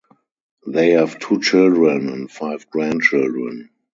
They have two children and five grandchildren.